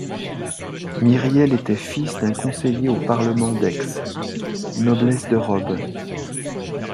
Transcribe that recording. Myriel était fils d'un conseiller au parlement d'Aix, noblesse de robe